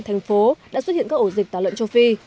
thành phố đã xuất hiện các ổ dịch tả lợn châu phi